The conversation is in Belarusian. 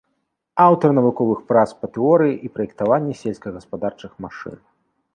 Аўтар навуковых прац па тэорыі і праектаванні сельскагаспадарчых машын.